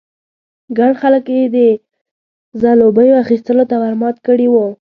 ګڼ خلک یې د ځلوبیو اخيستلو ته ور مات کړي وو.